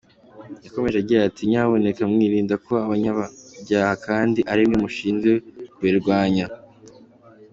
Yakomeje agira ati “ Nyabuneka mwirinda kuba abanyabyaha kandi arimwe mushinzwe kubirwanya.